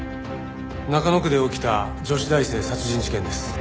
中野区で起きた女子大生殺人事件です。